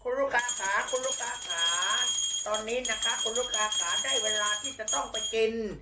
คุณลูกค้าค่ะคุณลูกค้าค่ะตอนนี้นะคะคุณลูกค้าค่ะได้เวลาที่จะต้องไปกิน